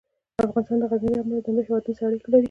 افغانستان د غزني له امله له نورو هېوادونو سره اړیکې لري.